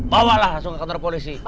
bawalah langsung ke kantor polisi